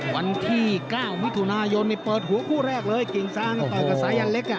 วันที่ก้าวมิถุนายนปิดหัวผู้แรกเลยกิ่งซังต่อยกับซัยันเล็ก